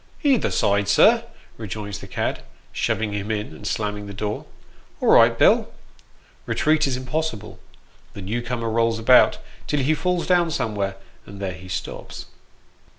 " Either side, sir," rejoins the cad, shoving him in, and slamming the door. " All right, Bill." Eetreat is impossible ; the new comer rolls about, till he falls down somewhere, and there he stops.